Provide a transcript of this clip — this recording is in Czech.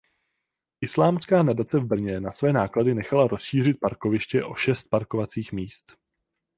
Islámská nadace v Brně na své náklady nechala rozšířit parkoviště o šest parkovacích míst.